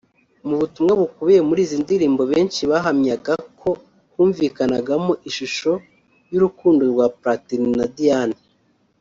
Mu butumwa bukubiyemo muri izi ndirimbo benshi bahamyaga ko humvikanagamo ishusho y’urukundo rwa Platini na Diane